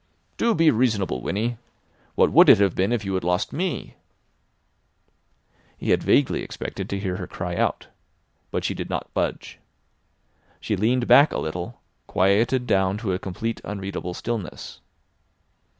"Do be reasonable, Winnie. What would it have been if you had lost me!" He had vaguely expected to hear her cry out. But she did not budge. She leaned back a little, quieted down to a complete unreadable stillness.